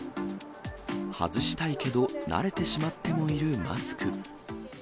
外したいけど、慣れてしまってもいるマスク。